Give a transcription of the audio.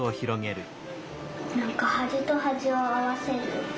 なんかはじとはじをあわせる。